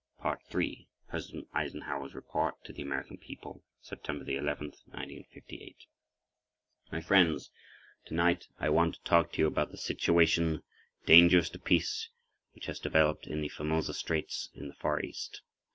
[pg 8] 3. President Eisenhower's Report to the American People, September 11, 1958 Return to Table of Contents My Friends: Tonight I want to talk to you about the situation, dangerous to peace, which has developed in the Formosa Straits in the Far East.